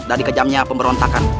dari kejamnya pemberontakan